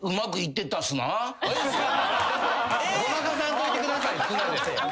ごまかさんといてください「っすな」で。